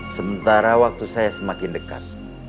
sementara waktu saya semakin dekat